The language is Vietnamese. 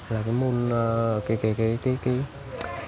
là cái môn cái hòa sông mã này nó được phát huy và bảo tồn